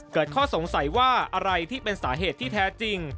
ข้อสงสัยว่าอะไรที่เป็นสาเหตุที่แท้จริง